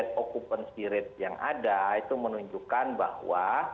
jadi occupancy rate yang ada itu menunjukkan bahwa